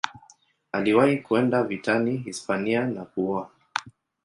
Aliwahi kwenda vitani Hispania na kuoa.